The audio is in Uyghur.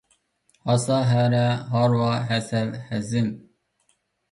ھاسا، ھەرە، ھارۋا، ھەسەل، ھەزىم.